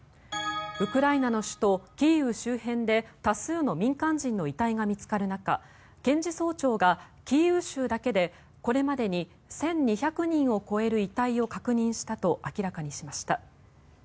ウクライナの首都キーウ周辺で多数の民間人の遺体が見つかる中検事総長がキーウ州だけでこれまでに１２００人を超える遺体を確認したと明らかにしました。